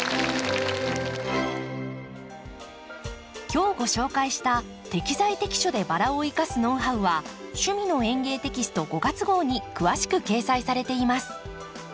今日ご紹介した適材適所でバラを生かすノウハウは「趣味の園芸」テキスト５月号に詳しく掲載されています。